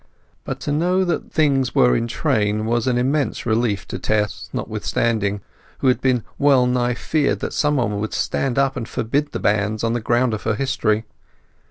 But to know that things were in train was an immense relief to Tess notwithstanding, who had well nigh feared that somebody would stand up and forbid the banns on the ground of her history.